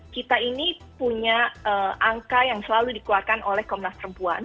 kita ini punya angka yang selalu dikeluarkan oleh komnas perempuan